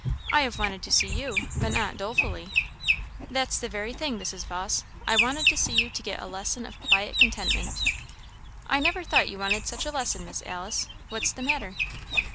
I have wanted to see you, but not dolefully." "That's the very thing, Mrs. Vawse; I wanted to see you to get a lesson of quiet contentment." "I never thought you wanted such a lesson, Miss Alice. What's the matter?"